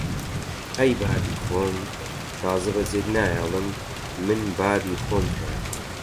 ئەی بابی خۆم! تازە بەجێت نایەڵم! من بابی خۆم هەیە!